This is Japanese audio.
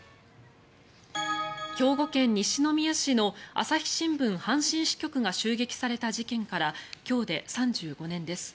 兵庫県西宮市の朝日新聞阪神支局が襲撃された事件から今日で３５年です。